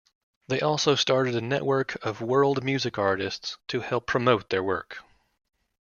They also started a network of world music artists to help promote their work.